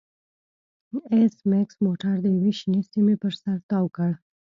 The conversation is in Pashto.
ایس میکس موټر د یوې شنې سیمې پر سر تاو کړ